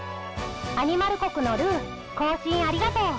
アニマル国のルー交信ありがとう」。